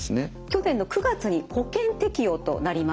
去年の９月に保険適用となりました。